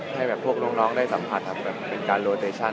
เกมนี้ก็ได้ให้น้องร้องได้สัมผัสเป็นการโลเจชั่น